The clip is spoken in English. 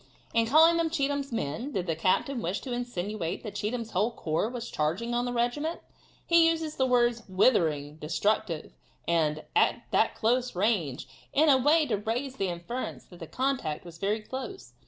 In calling them Cheatham's men, did the captain wish to insinuate that Cheatham's whole corps was charging on the regiment? He uses the words "withering," "destructive," and "that close range," in a way to raise the inference that the contact was very close.